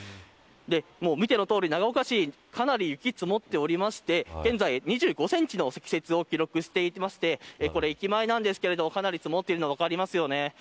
見てのとおり長岡市かなり雪が積もっておりまして現在２５センチの積雪を記録していまして駅前ですがかなり積もっているのが分かりますよね。